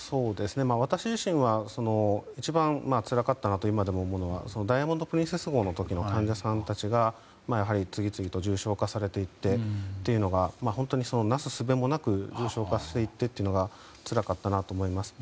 私自身は一番つらかったなと今でも思うのは「ダイヤモンド・プリンセス号」の時の患者さんたちが次々と重症化されていってなすすべもなく重症化していってというのがつらかったなと思います。